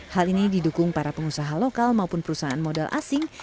hal ini didukung para pengusaha lokal maupun perusahaan modal asing